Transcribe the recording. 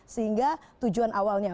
sehingga tujuan awalnya